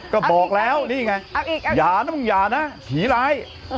ก็บอกแล้วนี่ไงอย่านะมึงอย่านะผีร้าย